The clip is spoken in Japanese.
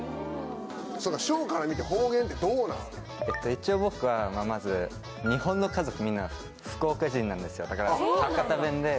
一応僕はまず日本の家族みんな福岡人なんですよだから。